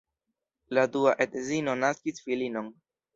La dua edzino naskis filinon.